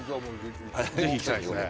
ぜひいきたいですね。